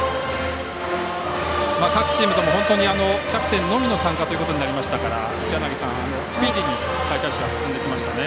各チームとも、キャプテンのみの参加となりましたから一柳さん、スピーディーに開会式が進んできましたね。